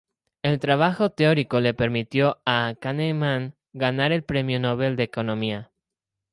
El trabajo teórico le permitió a Kahneman ganar el Premio Nobel en Economía.